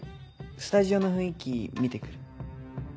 スタジオの雰囲気見てくる。